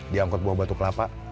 di angkot buah batu kelapa